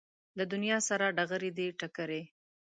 له دنیا سره ډغرې دي ټکرې